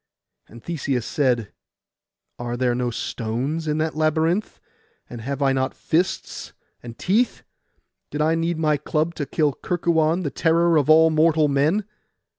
And Theseus said, 'Are there no stones in that labyrinth; and have I not fists and teeth? Did I need my club to kill Kerkuon, the terror of all mortal men?